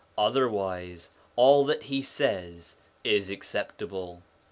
Otherwise all that he says is acceptable.'